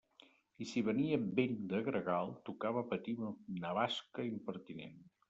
I si venia vent de gregal, tocava patir una basca impertinent.